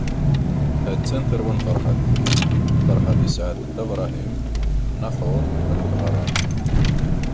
A-tt-an tarwa n Farḥat: Farḥat isɛa-d Dda Bṛahim, Naḥuṛ akked Aṛan.